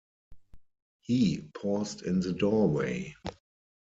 He paused in the doorway.